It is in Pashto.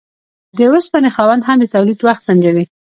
د اوسپنې خاوند هم د تولید وخت سنجوي.